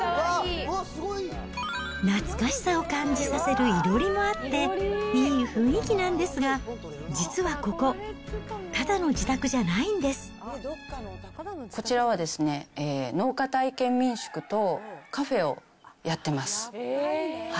懐かしさを感じさせるいろりもあって、いい雰囲気なんですが、実はここ、こちらはですね、農家体験民宿とカフェをやってます。